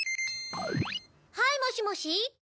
はいもしもし？